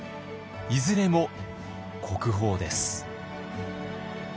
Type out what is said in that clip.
いずれも国宝です。